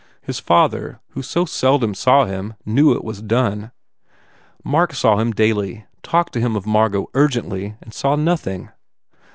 His father, who so seldom saw him, knew it was done. Mark saw him daily, talked to him of Margot urgently and saw nothing.